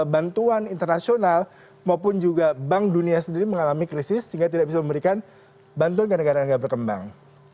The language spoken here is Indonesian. bantuan internasional maupun juga bank dunia sendiri mengalami krisis sehingga tidak bisa memberikan bantuan ke negara negara berkembang